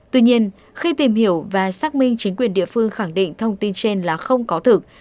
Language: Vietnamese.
tuy nhiên khi tìm hiểu và xác minh chính quyền địa phương khẳng định thông tin trên là không có thực